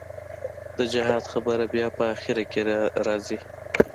د جهاد خبره بيا په اخر کښې رځي.